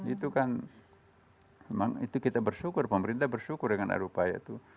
itu kan memang itu kita bersyukur pemerintah bersyukur dengan arupaya itu